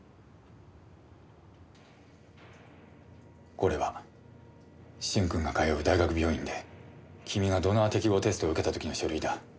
これは駿君が通う大学病院で君がドナー適合テストを受けた時の書類だ。